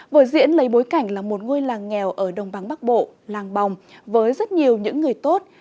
vở diễn lấy bối cảnh là một ngôi làng nghèo ở đông băng bắc bộ làng bồng với rất nhiều những người tốt